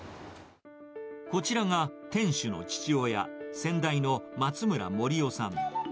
こちらが店主の父親、先代の松村守夫さん。